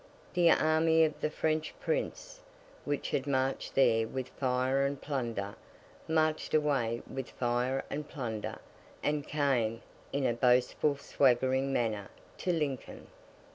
The army of the French Prince, which had marched there with fire and plunder, marched away with fire and plunder, and came, in a boastful swaggering manner, to Lincoln.